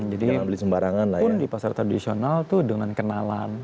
jadi pun di pasar tradisional itu dengan kenalan